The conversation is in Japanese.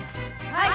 はい！